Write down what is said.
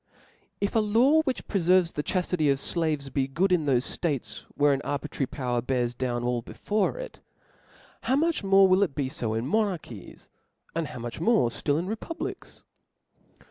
If a law which preferves the chaftity of flaves^ be good in thofe dates where an arbitrary power bears down all before it, how much more will it be fo in monarchies, and how njuch more ftill in republics